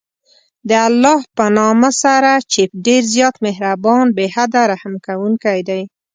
د الله په نامه سره چې ډېر زیات مهربان، بې حده رحم كوونكى دی.